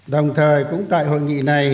đồng thời cũng tại hội nghị này